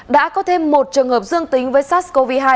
đã có thêm một trường hợp dương tính với sars cov hai